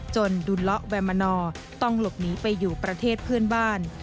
ดุลละแวมมานอร์ต้องหลบหนีไปอยู่ประเทศเพื่อนบ้าน